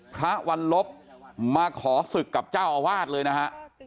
พระวันลบมาขอศึกกับเจ้าอาวาสเลยนะฮะ